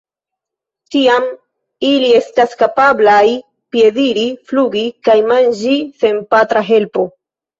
Tiam ili estas kapablaj piediri, flugi kaj manĝi sen patra helpo.